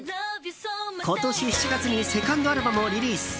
今年７月にセカンドアルバムをリリース。